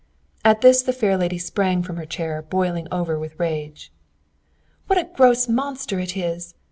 At this the fair lady sprang from her chair, boiling over with rage. "What a gross monster it is!